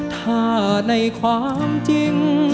ถ้าในความจริง